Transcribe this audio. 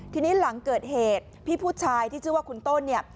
ทีนี้หลังเกิดเหตุพี่ผู้ชายที่ชื่อว่าคุณต้นเนี่ย